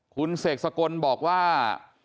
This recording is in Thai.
คุณเสกสกลบอกว่า